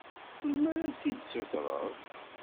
Melmi ara tt-id-sutreḍ?